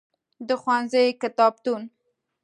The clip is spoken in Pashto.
د ښوونځی کتابتون.